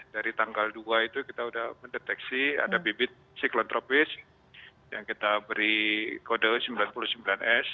dari tanggal dua itu kita sudah mendeteksi ada bibit siklon tropis yang kita beri kode sembilan puluh sembilan s